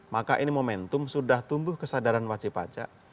maka ini momentum sudah tumbuh kesadaran wajib pajak